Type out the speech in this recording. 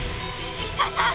石川さん！